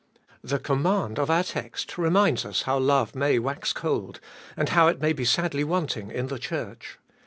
The command of our text reminds us of how love may wax cold, and how it may be sadly wanting in the Church.